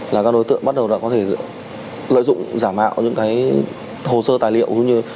là các đối tượng bắt đầu có thể lợi dụng giả mạo những hồ sơ tài liệu